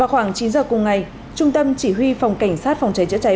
vào khoảng chín h cùng ngày trung tâm chỉ huy phòng cảnh sát phòng cháy chữa cháy